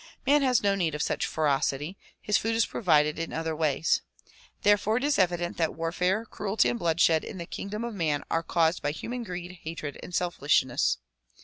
Man has no need of such ferocity; his food is provided in other ways. Therefore it is evident that warfare, cruelty and bloodshed in the kingdom of man are caused by human greed, hatred and selfishness.